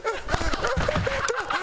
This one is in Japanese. ハハハハ！